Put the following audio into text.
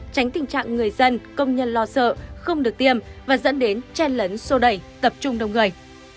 tránh tình trạng người dân công nhân lo sợ không được tiêm và dẫn đến chen lấn sô đẩy tập trung đông người